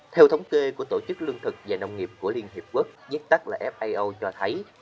theo thống kê của tổ chức lương thực và nông nghiệp của liên hiệp quốc viết tắt là fao cho thấy